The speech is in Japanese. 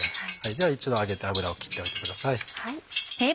では一度あげた油を切っておいてください。